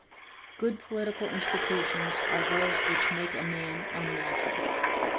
Good political institutions are those which make a man unnatural."